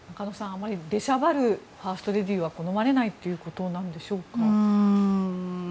あまり出しゃばるファーストレディーは好まれないということでしょうか。